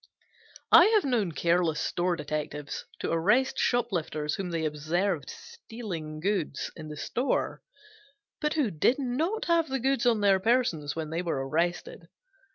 I have known careless store detectives to arrest shoplifters whom they observed stealing goods in the store, but who did not have the goods on their persons when they were arrested.